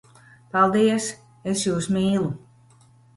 Paldies! Es jūs mīlu!